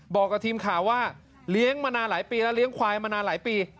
บอกกับทีมข่าวว่าเลี้ยงมานานหลายปีแล้วเลี้ยงควายมานานหลายปี